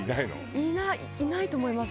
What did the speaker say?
いないいないと思います